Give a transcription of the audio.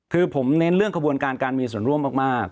คือผมเน้นเรื่องขบวนการการมีส่วนร่วมมาก